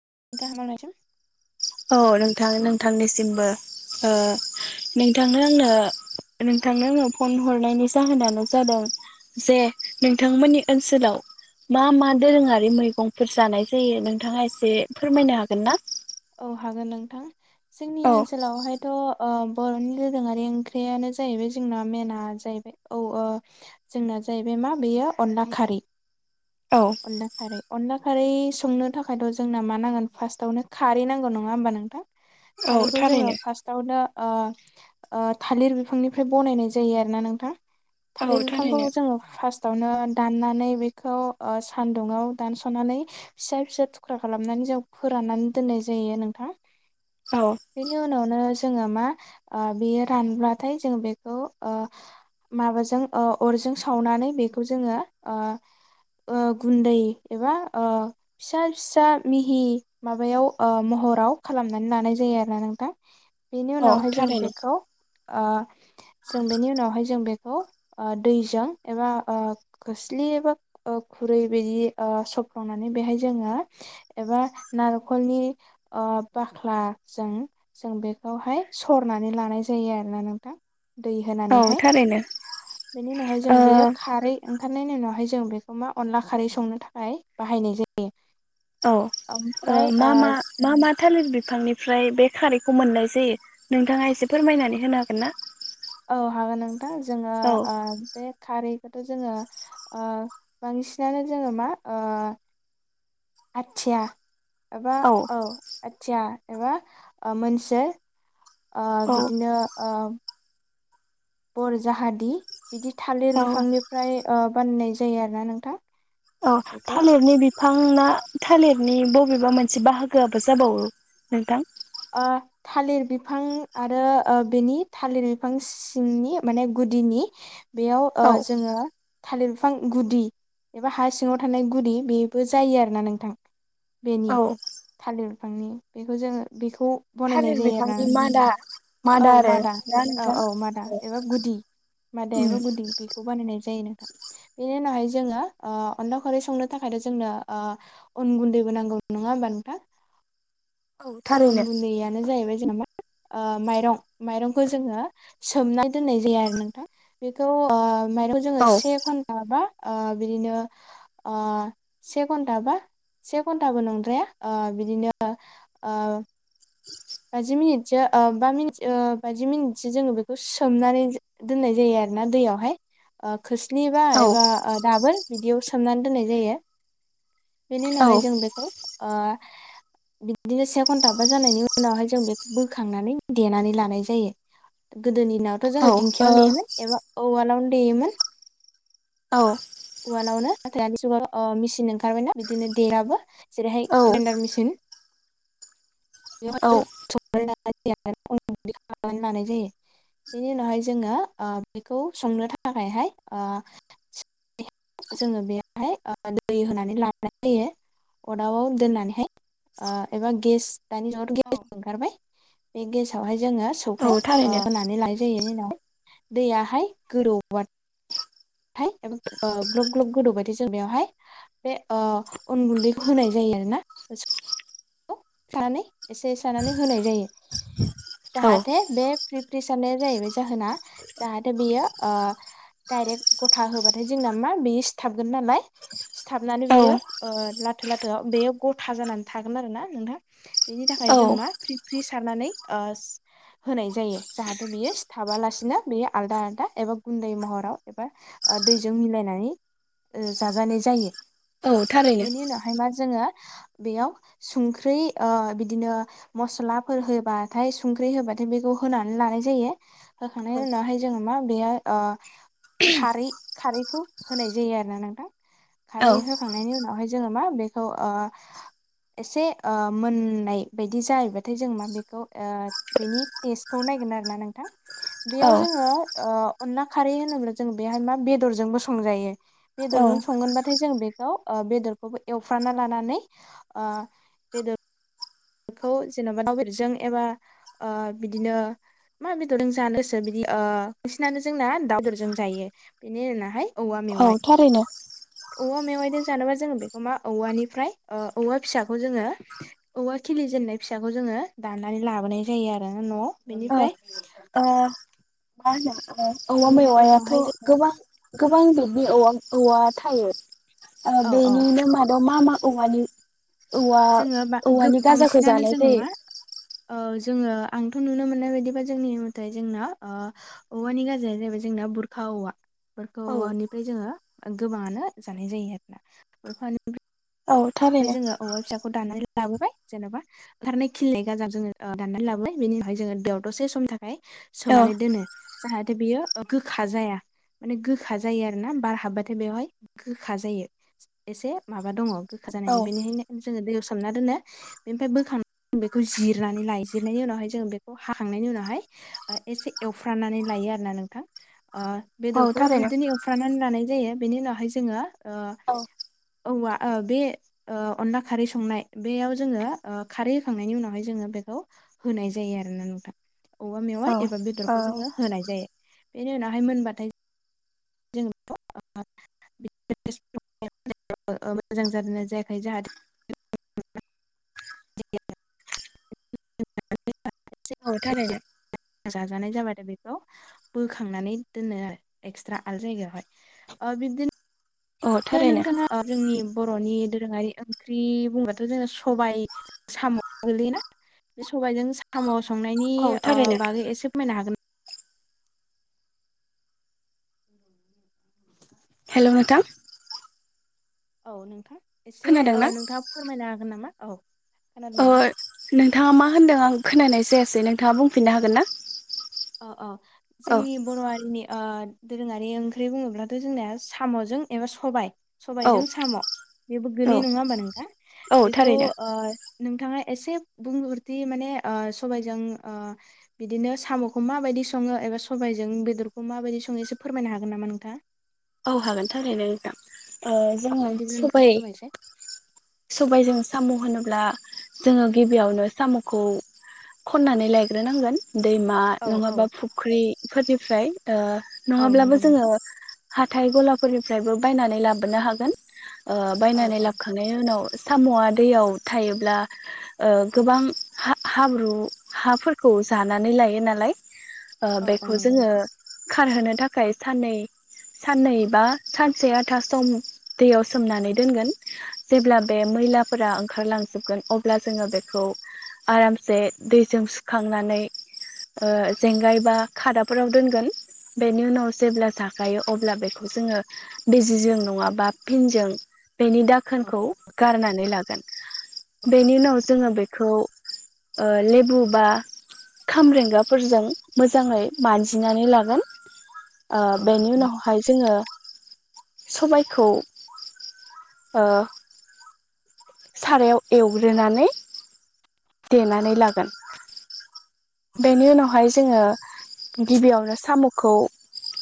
[unintelligible] औ नोंथां नोंथांनिसिमबो ओ नोंथां आंनो नोंथांनो आंनो फन हरनायनि जाहोनानो जादों जे नोंथांमोननि ओनसोलाव मा मा दोरोङारि मैगंफोर जानाय जायो नोंथाङा एसे फोरमायनो हागोन ना औ हागोन नोंथां जोंनि औ ओनसोलावहायथ ओह बरनि दोरोङारि ओंख्रियानो जाहैबाय जोंना मेनाआ जाहैबाय औ ओह जोंना जाहैबायमा बेयो अनला खारि। औ अनलाखारै अनलाखा खारै संनो थाखायथ' जोंना मा नांगोन फार्स्टआवनो खारै नांगौ नङा होमबा नोंथां। औ खारैखौ जोङो थारैनो फार्स्टावनो अ अ थालिर बिफांनिफ्राय बनायनाय जायो आरोना नोंथां। औ थालिर बिफांखौ थारैनो जोङो फार्स्टावनो दाननानै बेखौ अ सान्दुंङाव दानस'नानै फिसा फिसा थुख्रा खालामनानै जों फोराननानै दोननाय जायो नोंथां। औ बेनि उनावनो जोङो मा आ बियो रानबाथाय जोङ बेखौ आ माबाजों अरजों सावनानै बेखौ जोङो ओ गुनदै एबा अ फिसा फिसा मिहि माबायाव महराव खालामनानै लानाय जायो आरोना नोंथां। बेनि औ उनावहाय जों थारैनो बेखौ आ जों बेनि उनावहाय जों बेखौ अ दैजों एबा अ खोस्लि एबा खुरै बिदि अ सफ्र्लंनानै बेहाय जोङो एबा नार खलनि बाख्ला जों जों बेखौहाय सरनानै लानाय जायो आरोना नोंथां। दै औ होनानैहाय थारैनो बेनि उनावहाय जों ओ बेयो खारै ओं नायनि उनावहाय जों बेखौ मा अनला खारै संनो थाखाय बाहायनाय जायो। औ ओम। ओमफ्राय मा ओ मा मा मा थालिर बिफांनिफ्राय बे खारैखौ मोननाय जायो नोंथाङा एसे फोरमायनानै होनो हागोन ना? औ हागोन ओं। दा जोङो अ औ बे खारै थ' जोङो अ बांसिनानो जोङो मा अ आथिया माबा औ आथिया एबा अ मोनसे अ औ बिदिनो अ बर जाहादि बिदि औ थालिर औ बिफांनिफ्राय ओ बानायनाय जायो आरोना नोंथां। औ बेखौ थालिरनि बिम बिफां ना थालिरनि बबेबा मोनसे बाहागोआबो जाबावो नोंथां। ओ थालिर बिफां आरो ओ बेनि थालिर बिफां सिंनि माने गुदिनि बेयाव ओ औ जोङो थालिर बिफां गुदि एबा हा सिङाव थानाय गुदि बेबो जायो आरोना नोंथां। बेनि औ थालिर फांनि बेखौ जोङो बेखौ बनायनाय थालिर जायो आरोना बिफांनि नोंथां मादा औ आरो मादा ना औ औ नोंथां मादा एबा गुदि मादा एबा गुदि बेखौ बानायनाय जायो नोंथां। बे बिनि उनावहाय जोङो ओ अनला खरै संनो थाखायथ' जोंनो ओ अन गुन्दैबो नांगौ, नङा होमबा नोंथां? औ थारैनो अन गुन्दैयानो जाहैबाय [unintelligible] ओ माइरं- माइरंखौ जोङो सोमना दोननाय जाया आरो नोंथां बेखौ ओ माइरं जोङो औ से घन्टा बा ओ बिदिनो ओ से घन्टाबा से घन्टाबो नंद्राया ओ बिदिनो आ [unintelligible] बाजि मिनिटसो ओ बा मिनि ओ बाजि मिनिटसो जोङो बेखौ सोमनानै दोननाय जायो आरोना दैयावहाय ओ खोस्लिबा औ एबा दाबोर बिदियाव मनानै दोननाय जायो। बेनि औ उनावहाय जों बेखौ ओ बिदिनो से घन्टाबा जानायनि उन उनावहाय जों बेखौ बोखांनानै देनानै लानाय जायो। दोनि दिनावथ' ओ जोङो औ दिंखियाव देयोन एबा अवालावनो देयोमोन। औ उवालावनो नाथाय दानि जुगाव अ मिसिन ओंखारबायना बिदिनो [unintelligible] जेरैहाय औ लेन्दार मेसिन। [unintelligible] [unintelligible] औ जायो बेनि उनावहाय जोङो ओ बेखौ संनो थाखायहाय ओ जोङो बेयावहाय ओ दै होनानै लानाय जायो। अरदाबाव दोननानैहाय एबा गेस दानि औ [unintelligible] बाय। बे गेस आव हाय जोङो औ सौफाय थारैनो होनानै लानाय जायो उनाव दैयाहाय गोदौब्बा थाय ओ ग्लब ग्लब गोदौबायथाय जों बेवहाय बे ओ अन गुन्दैखौ होनाय जायो आरोना। औ सानै एसे सानानै होनाय जायो। औ जाहाथे बे फ्रि सारनाया जाहैबाय जाहोना जाहाथे बियो डाइरेक्ट गथा होबाथाय जोंना मा बेयो सिथाबगोन नालाय, सिथाबनानै औ बियो लाथो लाथोआव बेयो गथा जानानै थाग [unintelligible] ना नोंथां। बिनि थाखाय औ जों मा फ्रि ख्रि सारनानै ओस होनाय जायो। जाहाथे बियो सिथाबालासिनो बेयो आलदा आलदा एबा गुन्दै महराव एबा ओ दैजों मिलायनानै ओ जाजानाय जायो। औ थारैनो बिनि उनावहाय मा जोंङो बेयाव संख्रै ओ बिदिनो मस्लाफोर होबाथाय संख्रै होबाथाय बेखौ होनानै लानाय जायो। औ होखांनायनि उनावहाय जोंङो मा बेयाव ओ खारै खारैखौ होनाय जायो आरोना नोंथां औ खारै होखांनायनि उनावहाय जोंङो मा बेखौ ओ एसे ओ मोननाय बायदि जायोबाथाय जों मा बेखौ ओ बेनि टेस्टखौ नायगोन आरोना नोंथां बेयाव जोंङो ओ अनला खारै होनोब्ला जों बेहाय मा बेदरजोंबो संजायो बेदरजों औ संगोनबाथाय जों बेखौ ओ बेदरखौबो एवफ्रामना लानानै आ बेदर बेखौ जेन'बा दाउबेदरजों एबा ओ बिदिनो मा बेदरजों जानोगोसो बिदि ओ बांसिनानो जोंना दाउ बेदरजों जायो बेनि उनावहाय औवा मेवाइ थारैनो औवा मेवाइ दजों जानोबा जोंङो बेखौ मा औवानिफ्राय ओ औवा फिसाखौ जोंङो औवा खिलि जेननाय फिसाखौ जोंङो दाननानै लाबोनाय जायो आरो न'आव बिनिफ्राय अ [unintelligible] ओ औवा बेनि मेवायाथ' उनावहाय जोङो गोबां गोबां बि दि औवां औवा थायो आ औ औ बेनिनो मदाव मा मा औवानि औवा जोंङो बा गोब औवानि गाजाखौ बांसिनानो जानाय जोंङो मा जायो? ओ जोङो आंथ' नुनो मोननाय बायदिबा जोंनि [unintelligible] जोंना औवानि गाजाया जाहैबाय जोंना बुरखा औवा बुरखा औवानिफ्राय जोंङो गोबाङानो जानाय जायो [unintelligible] औ [unintelligible] थारैनो जोङो औवा फिसाखौ दानाय लाबोबाय जेन'बा ओंखारनाय खिलिनाय गाजा जोंङो दाननानै लाबोबाय बेनि उनावाय जोंङो दैयाव दसे समनि थाखाय खाय औ सोमनानै दोनो जाहाथे बियो ओ गोखा जाया बे गोखा जायो आरोना बार हाबबाथाय बेवहाय गोखा जायो एसे माबा दंङ। गोखा जानायनि बेनिखायनो जोंङो दैयाव सोम सोमना दोनो बेनिफ्राय बोखांनानै बेखौ जिरनानै लायो जिरनायनि उनावहाय जों बेखौ हाखांनायनि उनावहाय एसे एवफ्रानानै लायो आरोना नोंथां ओ औ बेदरखौबो थारैनो बिदिनो एवफ्रामनानै लानाय जायो बिनि उनावहाय जोंङो ओ औ औवा ओ बे ओ अनला खारै संनाय बेयाव ओ जोङो खारै होखांनायनि उनावहाय जोङो बेखौ होनाय जायो आरोना नोंथां औवा मेवाइ औ एबा बेदरखौ जोङो औ होनाय जायो बेनि उनावहाय मोनबाथाय जों [unintelligible] मोजां जादोंना जायाखै जाहाथे [unintelligible] [unintelligible] औ थारायनो जानाय जाबाथाय बेखौ बोखांनानै दोनो आरो एक्सट्रा आलादा जायगायावहाय ओ बिबदिनो औ दा थारैनो नोंथांङा जोंनि बरनि दोरोङारि ओंख्रि बुंबाथ' जों सबाय साम' गोलैओना बे सबायजों साम' संनायनि औ ओ थारैनो बागै एसे फोरमायनो हागोन हेलौ नोंथां औ नोंथां एसे ओ खोनादोंना नोंथांङा फोरमायनो हागोन नामा? औ खोनादों नोंथां थांङा मा होनदों आं खोनानाय जायासै नोंथाङा बुंफिननो हागोन ना? औ अ औ जोंनि बर' हारिनि ओ दोरोङारि ओंख्रि बुङोब्लाथ' जोंनाया साम'जों एबा सबाय औ सबायजों साम' बेबो औ गोलैयो नङा होमबा नोंथां औ बेखौ थारैनो नोंथांङा एसे बुंगुरथि माने ओ सबायजों ओ बिदिनो साम' खौ माबायदि सङो एबा सबबायजों बेदरखौ माबायदि सङो एसे फोरमायनो हागोन नामा नोंथाङा? औ हागोन थारैनो नोंथां ओ‌ जोङो बिदिब्ला नोंथां सबाय फोरमायसै सबायजों साम' होनोब्ला जोङो गिबियावनो साम'खौ खननानै लायग्रोनांगोन दैमा औ औ नङाबा फुख्रिफोरनि फ्राय ओ औ नंगौ नङाब्लाबो जोङो नोंथां हाथाय गलाफोरनिफ्रायबो बायनानै लाबोनो हागोन ओ औ बायनानै औ लाबखांनायनि उनाव साम'आ दैयाव थायोब्ला ओ गोबां हा हाब्रु हाफोरखौ जानानै लायो नालाय ओ औ औ बेखौ नंगौ जोङो नोंथां खारहोनो थाखाय साननै साननै बा सानसे आथा सम दैयाव सोमनानै दोनगोन जेब्ला बे मैलाफोरा ओंखारलांजोबगोन अब्ला जोङो बेखौ आरामसे दैजों सुखांनानै ओ जेंगाय बा खादाफोराव दोनगोन बेनि उनाव जेब्ला जा जायो अब्ला बेखौ जोङो बिजिजों नङाबा फिनजों बेनि दाखोनखौ गारनानै लागोन। बेनि उनाव जोङो बेखौ लेबु बा खामरेंगाफोरजों मोजाङै मानजिनानै लागोन बेनि उनावहाय जोङो सबायखौ ओ सारायाव एवग्रोनानै देनानै लागोन बेनि उनावहाय जोङो गिबियावनो सामखौथ जेरै